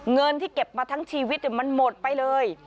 เงินที่เก็บมาทั้งชีวิตมันหมดไปเลย